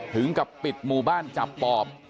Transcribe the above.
ถึงกับปิดหมู่บ้านจับปอบ